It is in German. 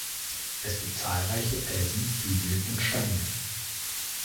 Es gibt zahlreiche Felsen, Hügel und Steine.